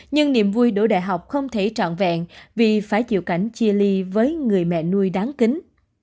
nhưng niềm vui đổ đại học không thể trọn vẹn vì phải chịu cảnh chia ly với người mẹ nuôi đáng kính